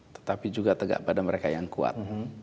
tetapi juga tegak pada mereka yang kuat